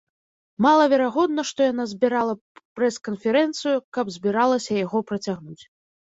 Малаверагодна, што яна збірала б прэс-канферэнцыю, каб збіралася яго працягнуць.